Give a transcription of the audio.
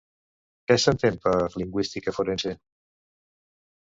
Què s'entén per lingüística forense?